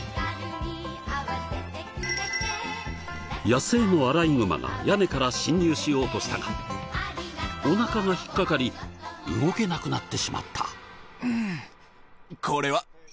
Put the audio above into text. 野生のアライグマが屋根から侵入しようとしたがおなかが引っかかり動けなくなってしまった。